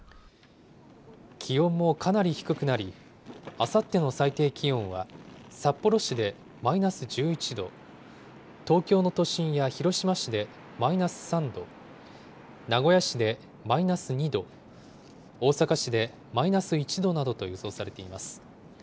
気温もかなり低くなり、あさっての最低気温は札幌市でマイナス１１度、東京の都心や広島市でマイナス３度、名古屋市でマイナス２度、大阪市でマイナス１度などと予想されています。